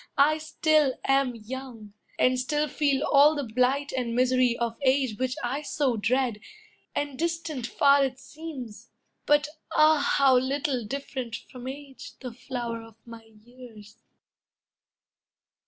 I still am young, and still Feel all the blight and misery of age, Which I so dread; and distant far it seems; But, ah, how little different from age, The flower of my years!"